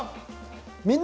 「みんな！